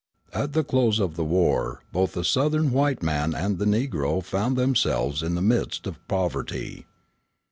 At the close of the war both the Southern white man and the Negro found themselves in the midst of poverty.